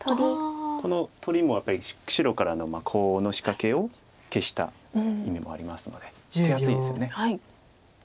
この取りもやっぱり白からのコウの仕掛けを消した意味もありますので手厚いですよね。